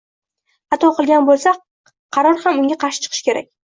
Xato qilgan bo‘lsa, qaror ham unga qarshi chiqishi kerak.